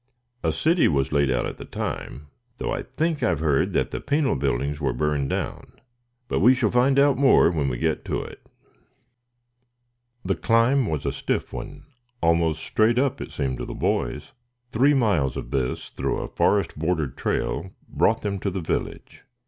A city was laid out at the time, though I think I have heard that the penal buildings were burned down. But we shall find out more when we get to it." The climb was a stiff one almost straight up, it seemed to the boys. Three miles of this through a forest bordered trail brought them to the village.